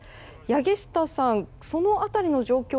柳下さん、その辺りの状況